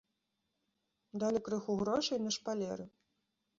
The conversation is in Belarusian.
Далі крыху грошай на шпалеры.